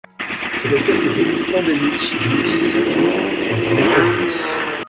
Cette espèce était endémique du Mississippi aux États-Unis.